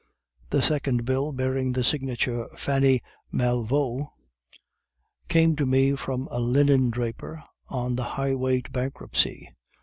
"'The second bill, bearing the signature "Fanny Malvaut," came to me from a linen draper on the highway to bankruptcy.